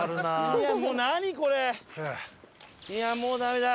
いやもうダメだ。